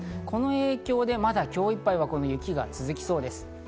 この影響で今日いっぱいは雪が続きそうです。